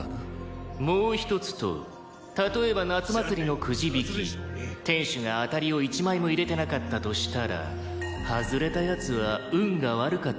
「もう一つ問う」「例えば夏祭りのくじ引き」「店主が当たりを１枚も入れてなかったとしたらハズれた奴は運が悪かったと言えるか？」